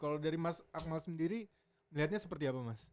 kalau dari mas akmal sendiri melihatnya seperti apa mas